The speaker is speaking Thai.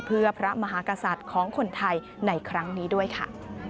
เพื่อพระมหากษัตริย์ของคนไทยในครั้งนี้ด้วยค่ะ